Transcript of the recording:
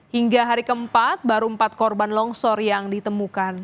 hingga hari keempat baru empat korban longsor yang ditemukan